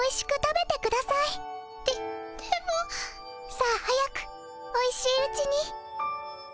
さあ早くおいしいうちに。